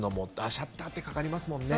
シャッターってかかりますもんね。